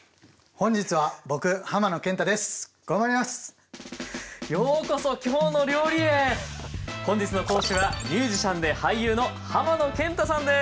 本日の講師はミュージシャンで俳優の浜野謙太さんです。